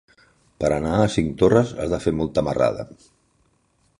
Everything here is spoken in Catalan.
Per anar a Cinctorres has de fer molta marrada.